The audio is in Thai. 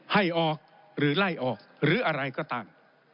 ให้ออกหรือไล่ออกหรืออะไรก็ตาม